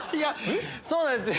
そうなんすよ。